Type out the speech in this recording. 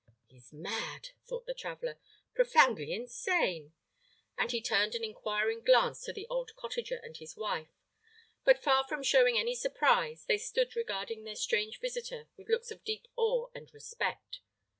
"He's mad!" thought the traveller, "profoundly insane!" and he turned an inquiring glance to the old cottager and his wife; but far from showing any surprise, they stood regarding their strange visiter with looks of deep awe and respect.